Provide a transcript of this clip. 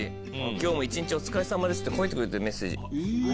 「今日も１日お疲れ様です！」って書いてくれてるメッセージ。